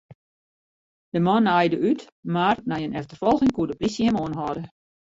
De man naaide út, mar nei in efterfolging koe de plysje him oanhâlde.